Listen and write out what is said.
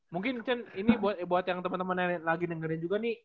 mungkin cen ini buat yang temen temen lagi dengerin juga nih